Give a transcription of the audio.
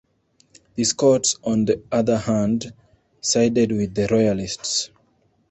The Scots on the other hand, sided with the Royalists.